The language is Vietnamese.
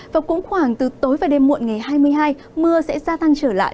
và cũng khoảng từ tối và đêm muộn ngày hai mươi hai mưa sẽ gia tăng trở lại